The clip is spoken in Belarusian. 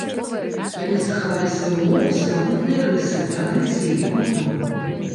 Яны захавалі сваю мову, самабытныя рысы, традыцыі і культуру.